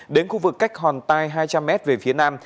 đến khu vực cách hòn tai hai trăm linh m về phía nam